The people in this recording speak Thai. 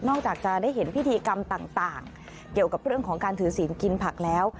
จากจะได้เห็นพิธีกรรมต่างเกี่ยวกับเรื่องของการถือศีลกินผักแล้ว